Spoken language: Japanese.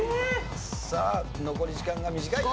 さあ残り時間が短い。